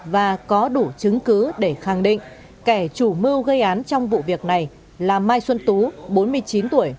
và có đủ chứng cứ để khẳng định kẻ chủ mưu gây án trong vụ việc này là mai xuân tú bốn mươi chín tuổi